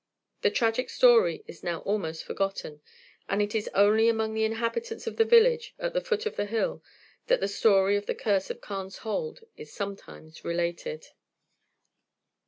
The tragic story is now almost forgotten, and it is only among the inhabitants of the village at the foot of the hill that the story of the curse of Carne's Hold is sometimes related.